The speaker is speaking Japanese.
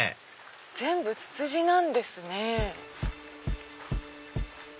全部ツツジなんですね。